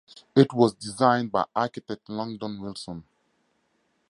It was designed by architect Langdon Wilson.